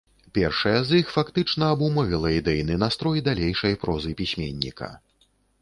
Першая з іх фактычна абумовіла ідэйны настрой далейшай прозы пісьменніка.